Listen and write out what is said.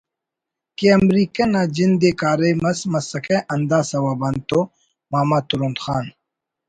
کہ امریکہ نا جند ءِ کاریم اس مسکہ ہندا سوب آن تو ماما ترند خان